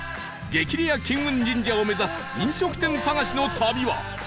激レア金運神社を目指す飲食店探しの旅は